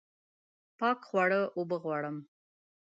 پاک خواړه اوبه غواړم